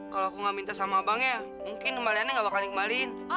kalau aku gak minta sama abangnya mungkin kembaliannya gak bakal dikembalikan